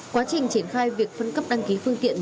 quá trình triển khai việc phân cấp đăng ký phương tiện